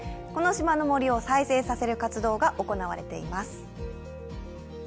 この島の森を再生させる活動が行われています。